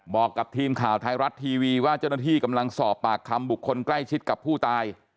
บอกกับทีมข่าวไทยรัฐทีวีว่าเจ้าหน้าที่กำลังสอบปากคำบุคคลใกล้ชิดกับผู้ตาย